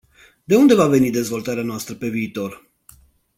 De unde va veni dezvoltarea noastră pe viitor?